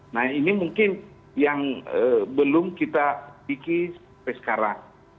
nah ini mungkin yang belum kita pikir sampai sekarang